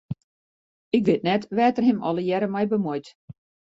Ik wit net wêr't er him allegearre mei bemuoit.